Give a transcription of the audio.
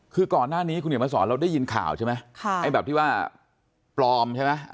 คือก่อนหน้านี้คุณเห็นมาสอนเราได้ยินข่าวใช่ไหมไอ้แบบที่ว่าปลอมใช่ไหม